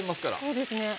そうですね。